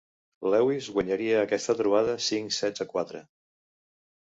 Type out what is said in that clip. Lewis guanyaria aquesta trobada cinc sets a quatre.